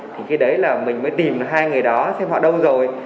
thì khi đấy là mình mới tìm hai người đó xem họ đâu rồi